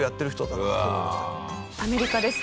アメリカです。